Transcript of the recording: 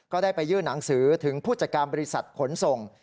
ได้ไปยื่นหนังสือถึงผู้จัดการบริษัทขนส่ง